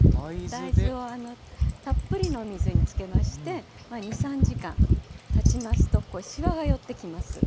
大豆をたっぷりの水につけまして２３時間たちますとこうしわが寄ってきます。